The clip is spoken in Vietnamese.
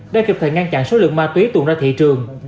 đã kịp thời ngăn chặn số lượng ma túy tuồn ra thị trường